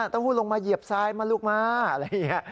หู้ลงมาเหยียบทรายมาลูกมาอะไรอย่างนี้